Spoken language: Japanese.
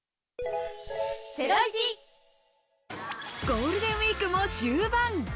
ゴールデンウイークも終盤。